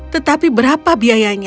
tetapi berapa biayanya